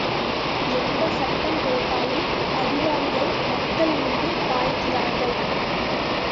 எந்தச் சட்டம் போட்டாலும் அதிகாரிகள் மக்கள் மீது பாய்கிறார்கள்.